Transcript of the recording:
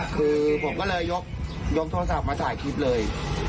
คือผมก็เลยยกโทรศัพท์มาถ่ายคลิปเลย